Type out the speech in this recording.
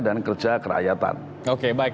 dan kerja kerakyatan oke baik